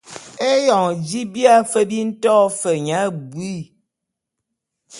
Eyon ji bia fe bi nto fe nya abuii.